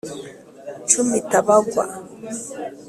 nshumita bagwa